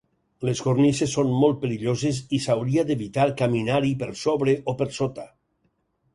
Les cornises són molt perilloses i s'hauria d'evitar caminar-hi per sobre o per sota.